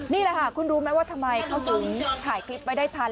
นี่แหละค่ะคุณรู้ไหมว่าทำไมเขาถึงถ่ายคลิปไว้ได้ทัน